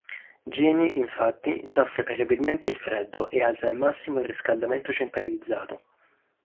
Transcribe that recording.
Jamie infatti, soffre terribilmente il freddo e alza al massimo il riscaldamento centralizzato.